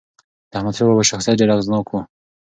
د احمدشاه بابا شخصیت ډېر اغېزناک و.